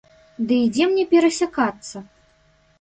Ды і дзе мне перасякацца?